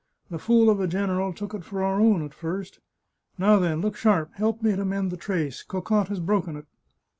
The fool of a general took it for our own at first. Now then, look sharp! Help me to mend the trace; Cocotte has broken it